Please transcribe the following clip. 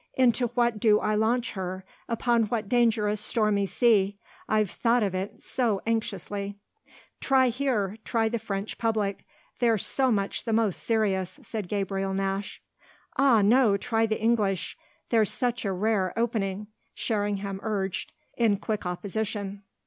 "Into what do I launch her upon what dangerous stormy sea? I've thought of it so anxiously." "Try here try the French public: they're so much the most serious," said Gabriel Nash. "Ah no, try the English: there's such a rare opening!" Sherringham urged in quick opposition.